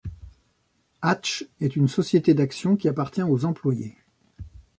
Hatch est une société d’actions qui appartient aux employés.